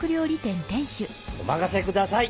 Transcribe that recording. おまかせください